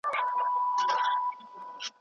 شهزاده محمد تیمور باید له مهاراجا سره پاتې شي.